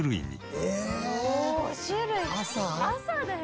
朝だよ？